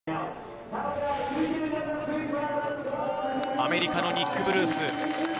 アメリカのニック・ブルース。